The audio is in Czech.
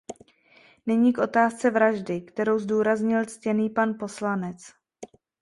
Nyní k otázce vraždy, kterou zdůraznil ctěný pan poslanec.